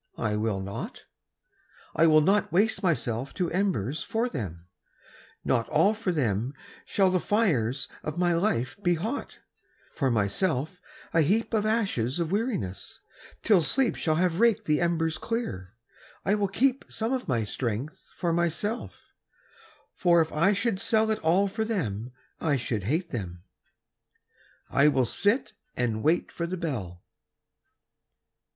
I will not! I will not waste myself to embers for them, Not all for them shall the fires of my life be hot, For myself a heap of ashes of weariness, till sleep Shall have raked the embers clear: I will keep Some of my strength for myself, for if I should sell It all for them, I should hate them I will sit and wait for the bell.